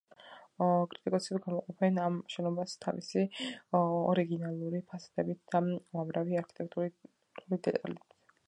კრიტიკოსები გამოყოფენ ამ შენობას თავისი ორიგინალური ფასადით და უამრავი არქიტექტურული დეტალით.